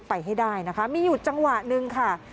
ไปให้ได้นะคะมีอยู่จังหวะหนึ่งค่ะ